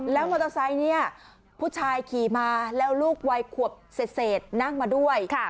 แล้วมอเตอร์ไซค์เนี่ยผู้ชายขี่มาแล้วลูกวัยขวบเศษนั่งมาด้วย